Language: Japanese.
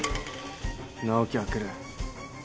直樹は来る。